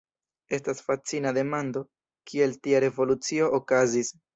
Estas fascina demando, kiel tia revolucio okazis.